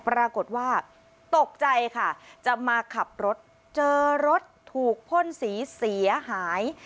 ปรากฏว่าตกใจค่ะจะมาขับรถเจอรถถูกพ่นสีเสียหาย